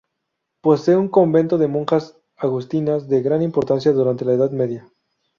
Posee un convento de monjas agustinas de gran importancia durante la Edad Media.